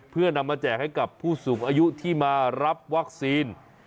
เพื่อนำมาแจกให้กับผู้สูงอายุที่มารับวัคซีน